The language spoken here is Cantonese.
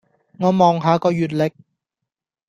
我望下個月曆